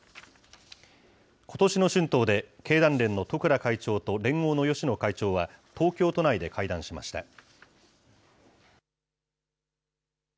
ことしの春闘で経団連の十倉会長と連合の芳野会長は東京都内で会談しました。